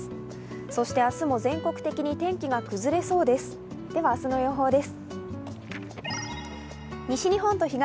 そして明日も全国的に天気が崩れそうです。